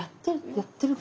やってるかな？